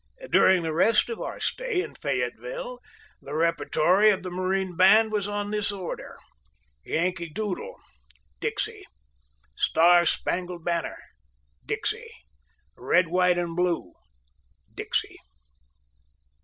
During the rest of our stay in Fayetteville the repertoire of the Marine Band was on this order: "Yankee Doodle," "Dixie;" "Star Spangled Banner," "Dixie;" "Red, White and Blue," "Dixie."